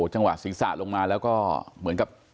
จังหวะศีรษะลงมาแล้วก็เหมือนกับ